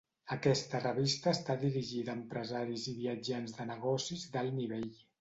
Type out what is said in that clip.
Aquesta revista està dirigida a empresaris i viatjants de negocis d'alt nivell.